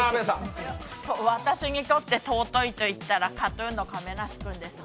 私にとって尊いといったらＫＡＴ−ＴＵＮの亀梨君ですね。